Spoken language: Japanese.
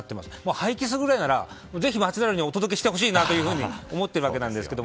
廃棄するくらいならぜひお届けしてほしいなと思ってるわけなんですけど。